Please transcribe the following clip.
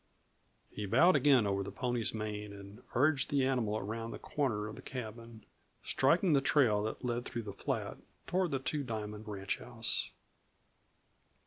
He bowed again over the pony's mane and urged the animal around the corner of the cabin, striking the trail that led through the flat toward the Two Diamond ranchhouse.